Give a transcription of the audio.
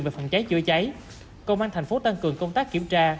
về phòng cháy chữa cháy công an thành phố tăng cường công tác kiểm tra